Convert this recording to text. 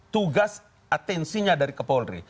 tugas atensinya dari kepolri